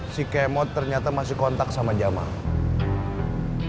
si kemot ternyata masih kontak sama jamal